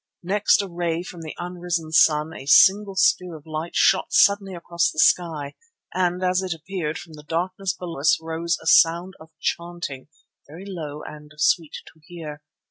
Next a ray from the unrisen sun, a single spear of light shot suddenly across the sky, and as it appeared, from the darkness below us arose a sound of chanting, very low and sweet to hear.